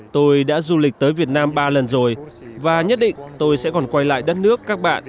tôi đã du lịch tới việt nam ba lần rồi và nhất định tôi sẽ còn quay lại đất nước các bạn